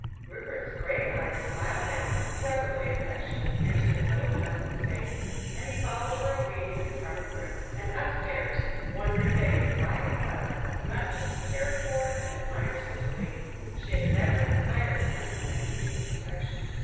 Rupert's grey eyes smiled down with brotherly affection into his little cousin's face, and he followed her obediently from the room, and upstairs, wondering vaguely why it was, that, much as he cared for and admired Cicely, she had never inspired him with any deeper affection.